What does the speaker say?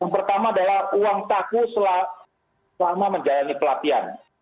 yang pertama adalah uang taku selama menjalani pelatihan